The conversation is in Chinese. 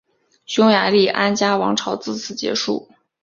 匈牙利安茄王朝自此结束。